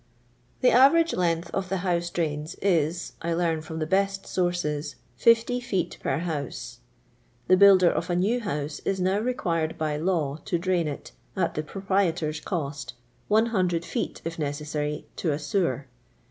The average length of the houso drains i*. I Ifarn from the beAt sources, 50 feot \wr huuse. The builder of a new house is now r« quiriMi by law to dniiii it, at the proprietor's coiti, 100 fee:. if neafi'Sary, to a sewer.